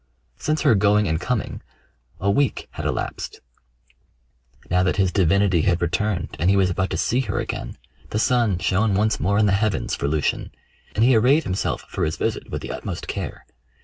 Since her going and coming a week had elapsed. Now that his divinity had returned, and he was about to see her again, the sun shone once more in the heavens for Lucian, and he arrayed himself for his visit with the utmost care.